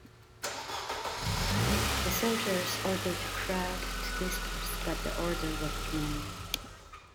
The soldiers ordered the crowd to disperse, but the order was ignored.